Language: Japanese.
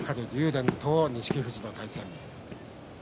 電と錦富士の対戦。